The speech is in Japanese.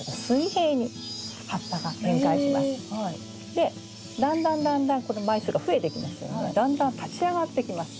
でだんだんだんだんこの枚数が増えてきますのでだんだん立ち上がってきます。